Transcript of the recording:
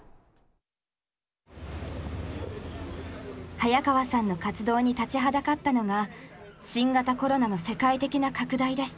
早川さんの活動に立ちはだかったのが新型コロナの世界的な拡大でした。